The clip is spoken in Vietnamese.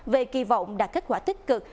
về kỳ vọng đạt kết quả tích cực